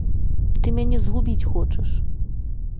Ты мяне згубіць хочаш!